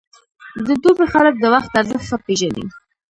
د دوبی خلک د وخت ارزښت ښه پېژني.